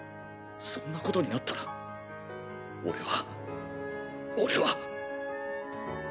そんなことになったら俺は俺は。